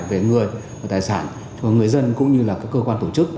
về người và tài sản cho người dân cũng như là các cơ quan tổ chức